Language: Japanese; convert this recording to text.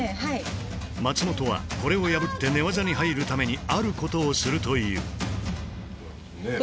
松本はこれを破って寝技に入るためにあることをするという。